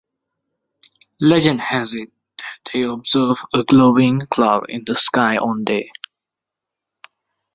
Legend has it that they observed a glowing cloud in the sky one day.